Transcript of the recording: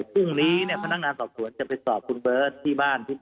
ปรุงนี้พนักนานศัพท์ฝนจะไปสอบคุณเบิร์ตที่บ้านด้วย